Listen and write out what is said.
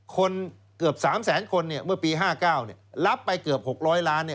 เกือบ๓แสนคนเมื่อปี๕๙รับไปเกือบ๖๐๐ล้าน